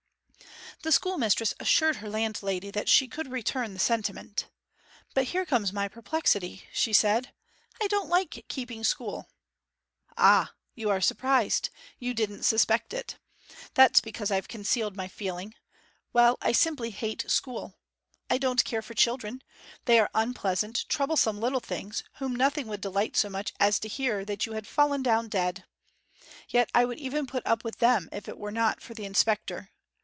The schoolmistress assured her landlady that she could return the sentiment. 'But here comes my perplexity,' she said. 'I don't like keeping school. Ah, you are surprised you didn't suspect it. That's because I've concealed my feeling. Well, I simply hate school. I don't care for children they are unpleasant, troublesome little things, whom nothing would delight so much as to hear that you had fallen down dead. Yet I would even put up with them if it was not for the inspector.